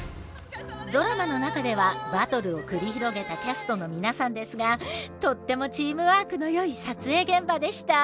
ドラマの中ではバトルを繰り広げたキャストの皆さんですがとってもチームワークのよい撮影現場でした。